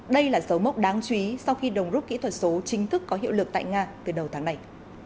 đây là dấu mốc đáng chú ý sau khi đồng rút kỹ thuật số chính thức có hiệu lực tại nga từ đầu tháng này